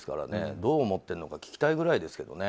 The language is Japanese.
どう思ってるのか聞きたいくらいですけどね。